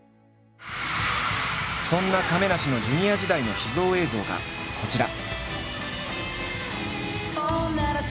そんな亀梨のＪｒ．時代の秘蔵映像がこちら。